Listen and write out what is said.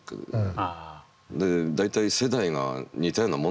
で大体世代が似たようなもんなの。